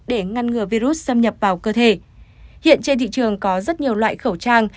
để ngăn ngừa virus xâm nhập vào cơ thể hiện trên thị trường có rất nhiều loại khẩu trang